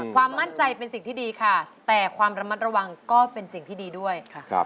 ความมั่นใจเป็นสิ่งที่ดีค่ะแต่ความระมัดระวังก็เป็นสิ่งที่ดีด้วย